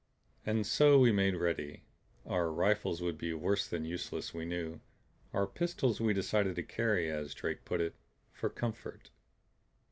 And so we made ready. Our rifles would be worse than useless, we knew; our pistols we decided to carry as Drake put it, "for comfort."